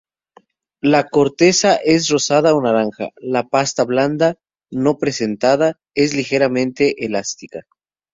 La corteza es rosada o naranja, la pasta, blanda no prensada, es ligeramente elástica.